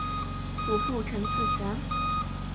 祖父陈赐全。